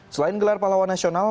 selain gelar pahlawan nasional